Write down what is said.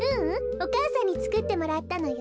おかあさんにつくってもらったのよ。